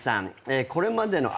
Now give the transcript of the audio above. これまでの歩み